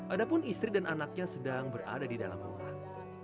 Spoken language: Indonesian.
adapun istri dan anaknya sedang berada di dalam rumah